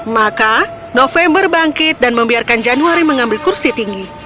maka november bangkit dan membiarkan januari mengambil kursi tinggi